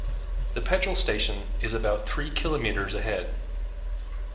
The petrol station is about three kilometres ahead